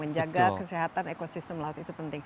menjaga kesehatan ekosistem laut itu penting